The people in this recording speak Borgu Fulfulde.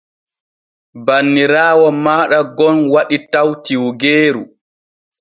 Banniraawo maaɗa gon waɗi taw tiwgeeru.